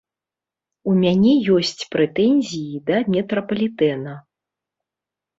У мяне ёсць прэтэнзіі да метрапалітэна.